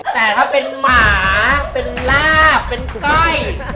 แต่ถ้าเป็นหมาเป็นลาบเป็นไก่